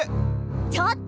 ちょっと！